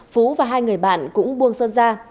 phú và hai người bạn cũng buông sơn ra